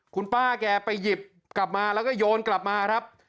คุณป้าแกไปหยิบกลับมาแล้วก็โยนกลับมาครับ